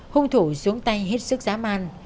hung thủ xuống tay hết sức giá man